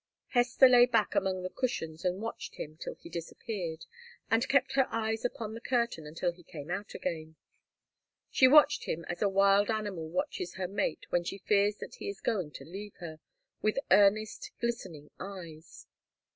Hester lay back among the cushions and watched him till he disappeared, and kept her eyes upon the curtain until he came out again. She watched him as a wild animal watches her mate when she fears that he is going to leave her, with earnest, glistening eyes.